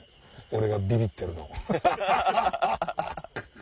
俺がビビってるのが。